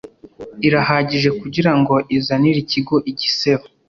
irahagije kugira ngo izanire ikigo igisebo